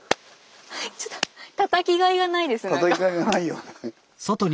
ちょっとたたきがいがないよね。